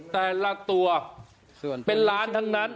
แต่ละตัวเป็นล้านทั้งนั้น